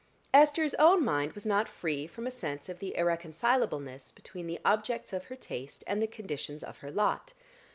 Esther's own mind was not free from a sense of irreconcilableness between the objects of her taste and the conditions of her lot.